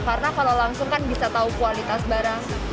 karena kalau langsung kan bisa tahu kualitas barang